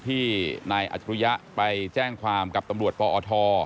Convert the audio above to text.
ที่นายอัจฉริยะไปแจ้งความกับตำรวจปอท